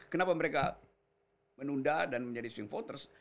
kenapa mereka menunda dan menjadi swing voters